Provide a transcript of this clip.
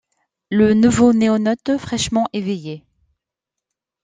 le nouveau NoéNaute fraîchement éveillé.